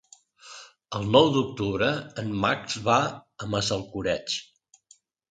El nou d'octubre en Max va a Massalcoreig.